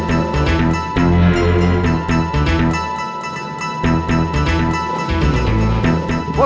terima kasih belom mampir